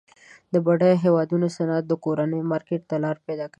د بډایه هیوادونو صنعت د کورني مارکیټ ته لار پیداکوي.